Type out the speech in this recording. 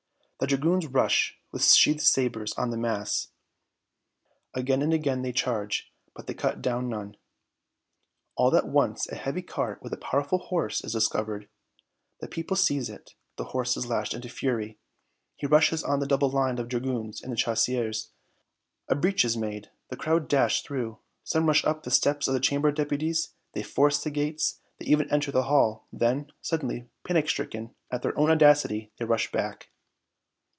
The dragoons rush with sheathed sabres on the mass! Again and again they charge, but they cut down none! All at once a heavy cart with a powerful horse is discovered the people seize it the horse is lashed into fury he rushes on the double line of dragoons and chasseurs a breach is made the crowd dash through some rush up the steps of the Chamber of Deputies they force the gates they even enter the hall then, suddenly panic stricken at their own audacity, they rush back!